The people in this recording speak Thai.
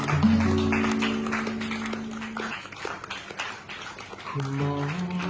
ดีจริง